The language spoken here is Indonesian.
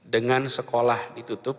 dengan sekolah ditutup